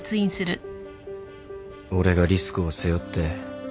俺がリスクを背負って。